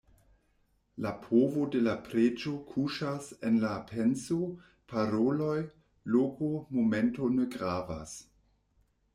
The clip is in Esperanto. La povo de la preĝo kuŝas en la penso; paroloj, loko, momento ne gravas.